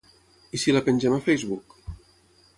I si la pengem a Facebook?